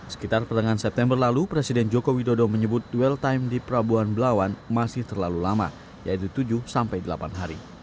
sekitar pertengahan september lalu presiden joko widodo menyebut duel time di prabuan belawan masih terlalu lama yaitu tujuh sampai delapan hari